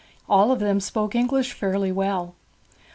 All of them spoke English fairly well.